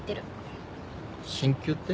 鍼灸って？